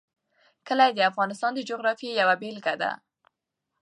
کلي د افغانستان د جغرافیې یوه بېلګه ده.